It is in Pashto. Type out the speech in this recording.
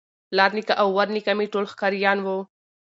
پلار نیکه او ورنیکه مي ټول ښکاریان وه